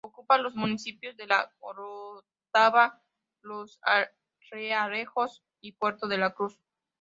Ocupa los municipios de la Orotava, los Realejos y Puerto de la Cruz.